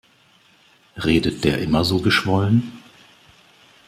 Redet der immer so geschwollen?